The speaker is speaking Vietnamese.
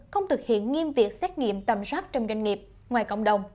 không thực hiện nghiêm việc xét nghiệm tầm soát trong doanh nghiệp ngoài cộng đồng